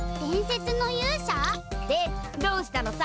でどうしたのさ？